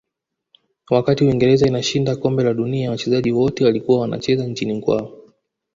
wakati uingereza inashinda kombe la dunia wachezaji wote walikuwa wanacheza nchini kwao